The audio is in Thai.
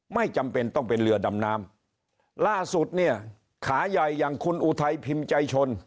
ไม่จำเป็นต้องเป็นเรือดำน้ำล่าสุดเนี่ยขาใหญ่อย่างคุณอุทัยพิมพ์ใจชน